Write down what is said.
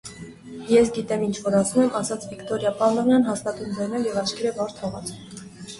- Ես գիտեմ ինչ որ ասում եմ,- ասաց Վիկտորիա Պավլովնան հաստատուն ձայնով և աչքերը վար թողած: